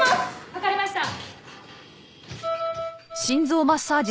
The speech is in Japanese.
わかりました！